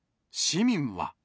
市民は。